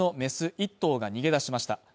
１頭が逃げ出しました。